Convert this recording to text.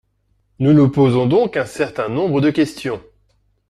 Nous nous posons donc un certain nombre de questions.